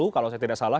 kalau saya tidak salah